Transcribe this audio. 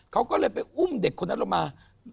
เขาก็เลยไปอุ้มเด็กคนนั้นลงมา